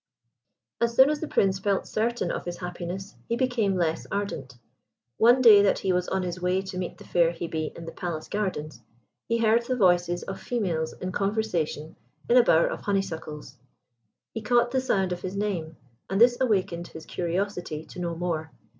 As soon as the Prince felt certain of his happiness, he became less ardent. One day that he was on his way to meet the fair Hebe in the palace gardens, he heard the voices of females in conversation in a bower of honeysuckles. He caught the sound of his name, and this awakened his curiosity to know more.